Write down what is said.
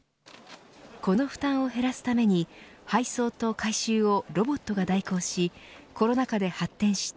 この負担を減らすために配送と回収をロボットが代行しコロナ禍で発展した